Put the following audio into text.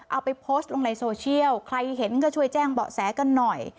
เอาไปโพสต์ลงในโซเชียลใครเห็นก็ช่วยแจ้งเบาะแสกันหน่อย